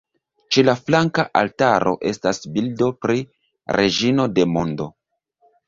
Ĉe la flanka altaro estas bildo pri "Reĝino de Mondo".